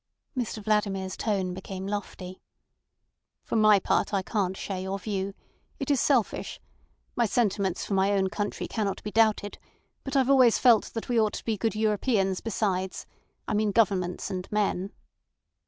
Mr Vladimir's tone became lofty. "For my part, I can't share your view. It is selfish. My sentiments for my own country cannot be doubted; but I've always felt that we ought to be good Europeans besides—I mean governments and men."